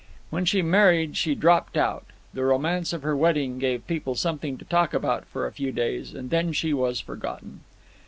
When she married she dropped out. The romance of her wedding gave people something to talk about for a few days, and then she was forgotten.